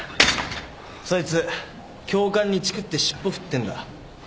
そいつ教官にチクって尻尾振ってんだ。